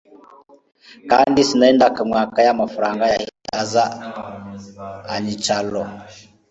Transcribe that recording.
kandi sinarindakamwaka ya mafaranga yahise aza anyicaro